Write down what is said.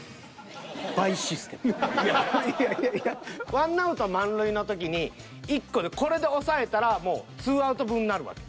１アウト満塁の時に１個でこれで抑えたらもう２アウト分になるわけ。